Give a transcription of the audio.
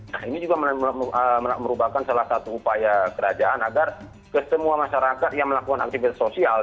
nah ini juga merupakan salah satu upaya kerajaan agar kesemua masyarakat yang melakukan aktivitas sosial